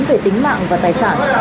về tính mạng và tài sản